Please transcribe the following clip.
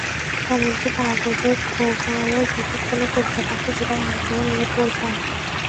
এমনকি কাগজের ঠোঙায়ও যদি কোনো কবিতা থাকত, সেটাও আগ্রহ নিয়ে পড়তাম।